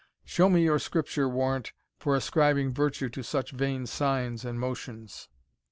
Show me your Scripture warrant for ascribing virtue to such vain signs and motions!"